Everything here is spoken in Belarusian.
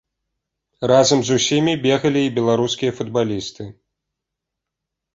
Разам з усімі бегалі і беларускія футбалісты.